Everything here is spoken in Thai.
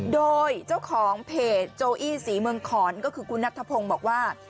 โดยเจ้าของเพจโจอี้ศรีเมืองขอนก็คือคุณนัทธพงศ์บอกว่า